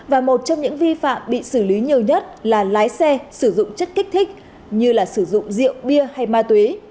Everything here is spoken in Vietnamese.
và một trong những vi phạm bị xử lý nhiều nhất là lái xe sử dụng chất kích thích như là sử dụng rượu bia hay ma túy